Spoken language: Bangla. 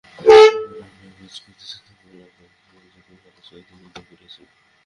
উহারা আপন কাজ করিতেছিল, আমরা অজ্ঞানবশত নিজদিগকে উহাদের সহিত যুক্ত করিয়াছিলাম।